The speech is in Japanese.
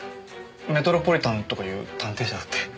メトロポリタンとかいう探偵社だって。